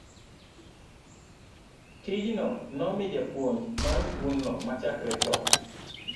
tijno nomi japuonj mar skundno machakre chon